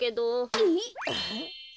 えっ。